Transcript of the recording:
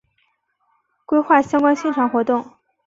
规划相关宣传活动